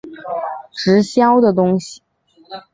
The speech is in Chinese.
直销的东西